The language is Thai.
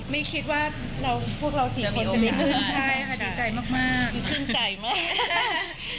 ไม่คิดว่าพวกเราสี่คนจะได้ดื่มใจ